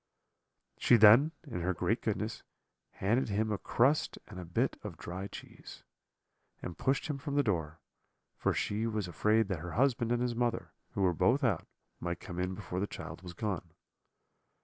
"She then, in her great goodness, handed him a crust and a bit of dry cheese, and pushed him from the door; for she was afraid that her husband and his mother, who were both out, might come in before the child was gone.